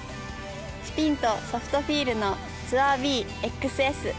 スピンとソフトフィールのＴＯＵＲＢＸＳ。